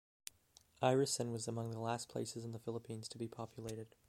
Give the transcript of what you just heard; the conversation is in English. Irosin was among the last places in the Philippines to be populated.